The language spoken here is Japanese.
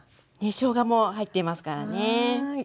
しょうがも入っていますからね。